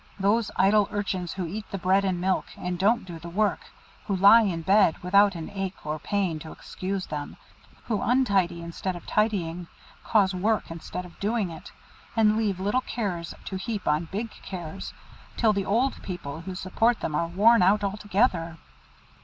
Those idle urchins who eat the bread and milk, and don't do the work, who lie in bed without an ache or pain to excuse them, who untidy instead of tidying, cause work instead of doing it, and leave little cares to heap on big cares, till the old people who support them are worn out altogether."